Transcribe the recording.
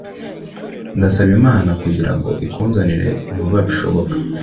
Ndasaba Imana kugira ngo ikunzanire vuba bishoboka